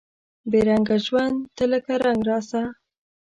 بې رنګه ژوند ته لکه رنګ راسه